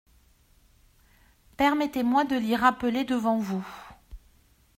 Permettez-moi de l'y rappeler devant vous.